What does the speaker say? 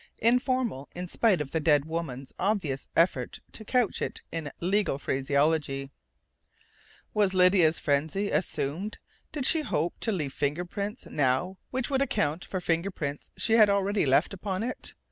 Informal, in spite of the dead woman's obvious effort to couch it in legal phraseology.... Was Lydia's frenzy assumed? Did she hope to leave fingerprints now which would account for fingerprints she had already left upon it?